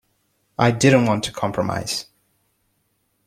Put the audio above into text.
I didn't want to compromise.